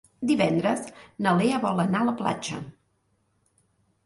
Divendres na Lea vol anar a la platja.